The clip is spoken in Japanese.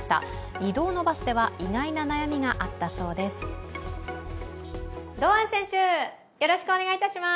移動のバスでは意外な悩みがあったそうです。